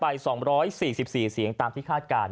ก็ได้ไปสองร้อยสี่สิบสี่เสียงตามที่คาดการณ์